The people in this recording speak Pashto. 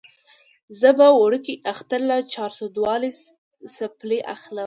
زه به وړوکي اختر له چارسدوالې څپلۍ اخلم